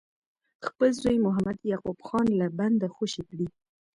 خپل زوی محمد یعقوب خان له بنده خوشي کړي.